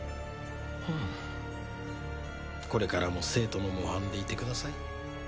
これからも生徒の模範でいてください。